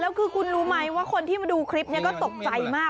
แล้วคือคุณรู้ไหมว่าคนที่มาดูคลิปนี้ก็ตกใจมาก